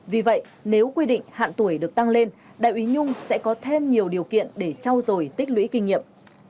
vì vậy nếu quy định hạn tuổi được tăng lên đại úy nhung sẽ có thêm nhiều điều kiện để trao dồi tích lũy kinh nghiệm